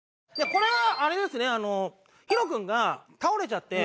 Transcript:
これはあれですね。